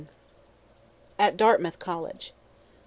AT DARTMOUTH COLLEGE.